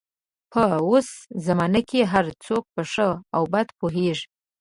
په اوس زمانه کې هر څوک په ښه او بده پوهېږي